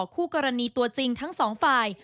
คู่กรณีตัวจริงทั้งสองฝ่าย